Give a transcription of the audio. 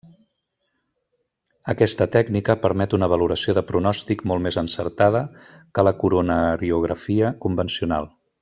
Aquesta tècnica permet una valoració de pronòstic molt més encertada que la coronariografia convencional.